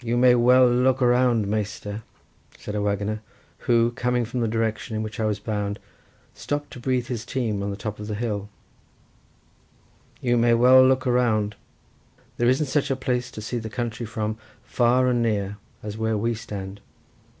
"You may well look around, Measter," said a waggoner, who, coming from the direction in which I was bound, stopped to breathe his team on the top of the hill; "you may well look around—there isn't such a place to see the country from, far and near, as where we stand.